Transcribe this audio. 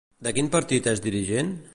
De quin partit és dirigent?